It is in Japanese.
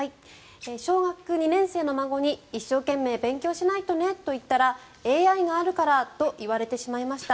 小学２年生の孫に一生懸命勉強しないとねと言ったらＡＩがあるからと言われてしまいました。